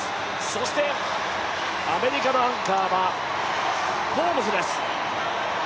そしてアメリカのアンカーはホームズです。